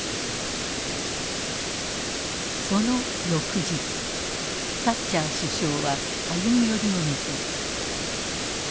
その翌日サッチャー首相は歩み寄りを見せる。